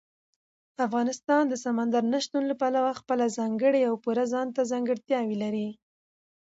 افغانستان د سمندر نه شتون له پلوه خپله ځانګړې او پوره ځانته ځانګړتیاوې لري.